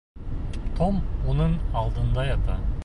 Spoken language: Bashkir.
Том уның алдында ята.